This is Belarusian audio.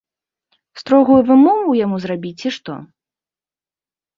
Строгую вымову яму зрабіць ці што?